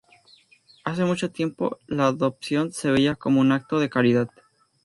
Hace mucho tiempo, la adopción se veía como un acto de caridad.